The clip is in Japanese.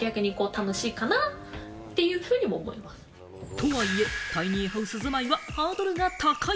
とはいえ、タイニーハウス住まいはハードルが高い。